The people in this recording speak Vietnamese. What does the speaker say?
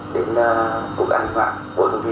đến quốc an hình mạng bộ thông tin